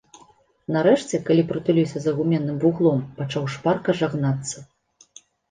Нарэшце, калі прытуліўся за гуменным вуглом, пачаў шпарка жагнацца.